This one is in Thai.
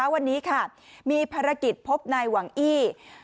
วันนี้ค่ะมีภารกิจพบนายหวังอี้